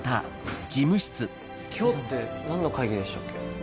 今日って何の会議でしたっけ？